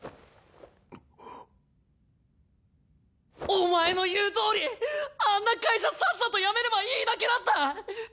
お前の言うとおりあんな会社さっさと辞めればいいだけだった！